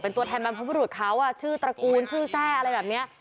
ตัวแทนบรรพบุรุษเขาชื่อตระกูลชื่อแทร่อะไรแบบนี้